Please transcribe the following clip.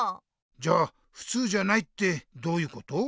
じゃ「ふつうじゃない」ってどういうこと？